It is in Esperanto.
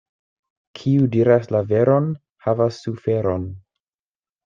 Kiu diras la veron, havas suferon.